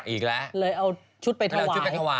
อีกแล้วเลยเอาชุดไปถวาย